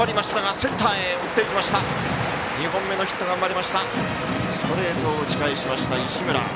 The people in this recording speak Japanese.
ストレートを打ち返しました石村。